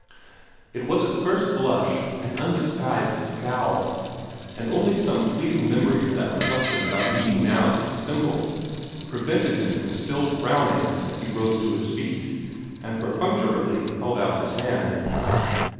It was at the first blush an undisguised scowl, and only some fleeting memory of that reflection about needing now to dissemble, prevented him from still frowning as he rose to his feet, and perfunctorily held out his hand.